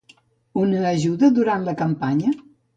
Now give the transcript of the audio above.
Una ajuda durant la campanya?